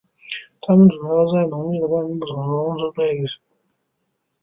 它们主要在浓密的灌木丛植被生活。